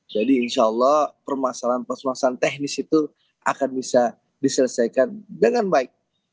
jadi insya allah permasalahan permasalahan teknis itu akan bisa diselesaikan dengan baik